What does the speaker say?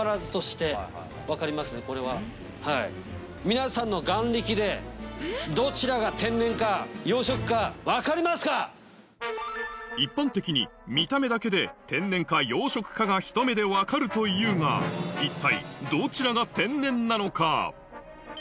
皆さんの眼力でどちらが天然か養殖か分かりますか⁉一般的に見た目だけで天然か養殖かがひと目でわかるというが一体どちらが天然なのか？